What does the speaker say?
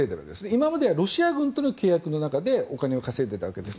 今まではロシア軍との契約の中でお金を稼いでいたわけです。